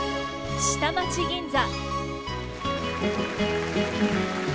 「下町銀座」。